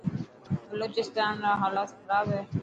بلوچستان را هالات خراب هي.